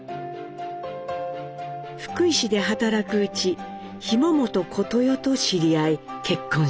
福井市で働くうち紐本小とよと知り合い結婚します。